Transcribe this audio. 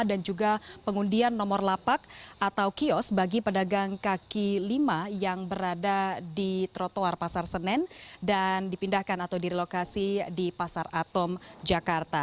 dan juga pengundian nomor lapak atau kios bagi pedagang kaki lima yang berada di trotoar pasar senen dan dipindahkan atau direlokasi di pasar atom jakarta